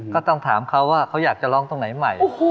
ก็ต้องถามเขาว่าเขาอยากจะร้องตรงไหนใหม่